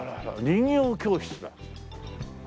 人形教室だ。